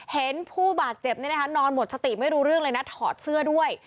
เห็นผู้บาดเจ็บนอนหมดสติไม่รู้เรื่องเลยนะถอดเสื้อด้วย